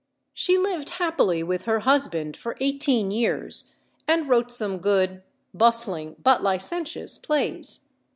She lived happily with her husband for eighteen years, and wrote some good, bustling, but licentious plays.